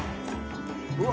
うわ